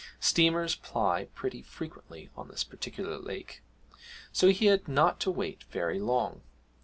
Steamers ply pretty frequently on this particular lake, so he had not to wait very long.